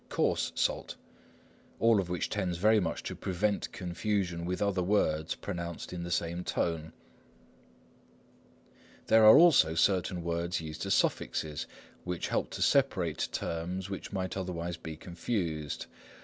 _ "coarse salt"; all of which tends very much to prevent confusion with other words pronounced in the same tone. There are also certain words used as suffixes, which help to separate terms which might otherwise be confused.